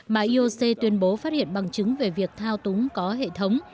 mà ioc tuyên bố phát hiện bằng chứng về việc thao túng có hệ thống